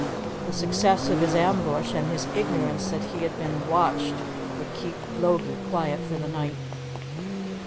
The success of his ambush and his ignorance that he had been watched would keep Logie quiet for the night.